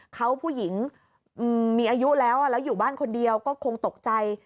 เขาผู้หญิงมีอายุแล้วแล้วอยู่บ้านคนเดียวก็คงตกใจ